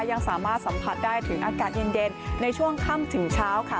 ยังสามารถสัมผัสได้ถึงอากาศเย็นในช่วงค่ำถึงเช้าค่ะ